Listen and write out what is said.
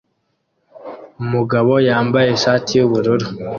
Umugabo yambaye ishati yubururu